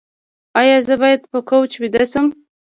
ایا زه باید په کوچ ویده شم؟